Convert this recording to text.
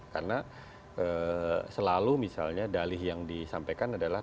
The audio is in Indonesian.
karena selalu misalnya dalih yang disampaikan adalah